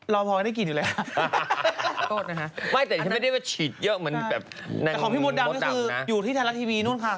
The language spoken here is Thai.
รอพอได้กลิ่นอยู่แล้ว